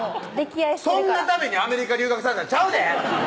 そんなためにアメリカ留学させたんちゃうで！